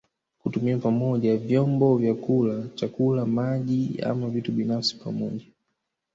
Kutumia pamoja vyombo vya kula chakula maji ama vitu binafsi pamoja